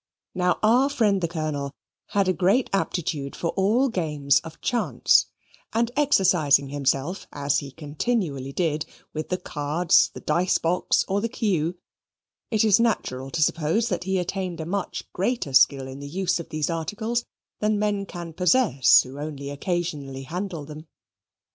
Now, our friend the Colonel had a great aptitude for all games of chance: and exercising himself, as he continually did, with the cards, the dice box, or the cue, it is natural to suppose that he attained a much greater skill in the use of these articles than men can possess who only occasionally handle them.